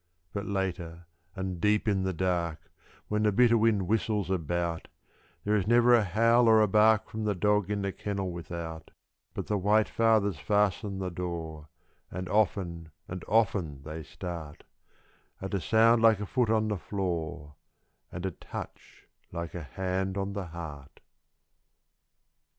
And later and deep in the dark, when the bitter wind whistles about, There is never a howl or a bark from the dog in the kennel without, But the white fathers fasten the door, and often and often they start, At a sound like a foot on the floor and a touch like a hand on the heart.